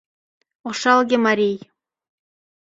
Ошалге марий.